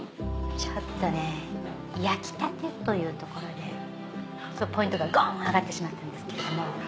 ちょっとね焼きたてというところでポイントがゴン上がってしまったんですけども。